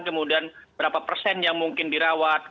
kemudian berapa persen yang mungkin dirawat